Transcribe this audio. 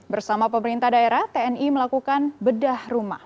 bersama pemerintah daerah tni melakukan bedah rumah